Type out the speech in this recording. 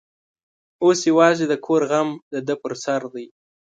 اوس یوازې د کور غم د ده پر سر دی.